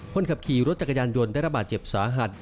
คนขับขี่รถจักรยานยนต์ได้ระบาดเจ็บสาหัส